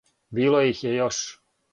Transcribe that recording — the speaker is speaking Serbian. Било их је још.